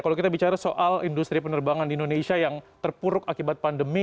kalau kita bicara soal industri penerbangan di indonesia yang terpuruk akibat pandemi